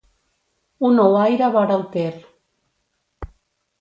Un ouaire vora el Ter.